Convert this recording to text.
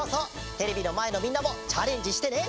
テレビのまえのみんなもチャレンジしてね！